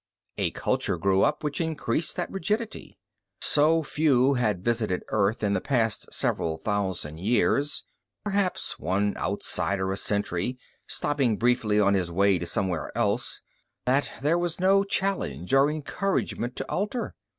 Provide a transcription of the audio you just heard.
A culture grew up which increased that rigidity. So few had visited Earth in the last several thousand years perhaps one outsider a century, stopping briefly off on his way to somewhere else that there was no challenge or encouragement to alter.